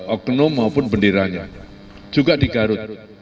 oknum maupun benderanya juga di garut